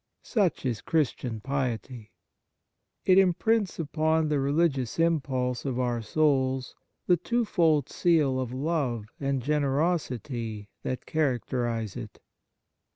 Such is Christian piety. It im prints upon the religious impulse of our souls the twofold seal of love and generosity that characterize it.